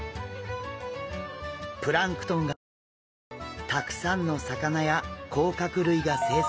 プランクトンが豊富でたくさんの魚や甲殻類が生息しています。